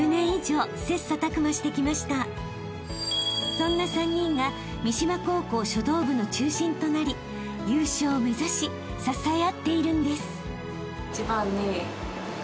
［そんな３人が三島高校書道部の中心となり優勝を目指し支え合っているんです］